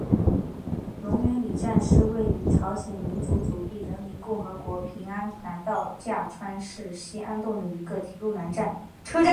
龙源里站是位于朝鲜民主主义人民共和国平安南道价川市西南洞的一个铁路车站。